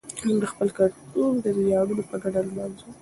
موږ د خپل کلتور ویاړونه په ګډه لمانځو.